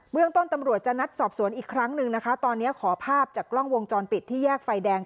เรื่องต้นตำรวจจะนัดสอบสวนอีกครั้งหนึ่งนะคะตอนนี้ขอภาพจากกล้องวงจรปิดที่แยกไฟแดง